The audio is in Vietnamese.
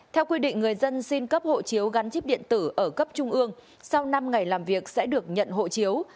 theo quy định người dân xin cấp hộ chiếu gắn chip điện tử ở cấp trung ương sau năm ngày làm việc sẽ được nhận hộ chiếu